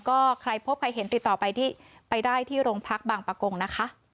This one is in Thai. ก็ใครพบใครเห็นติดต่อไปที่ไปได้ที่โรงพักบางประกงนะคะ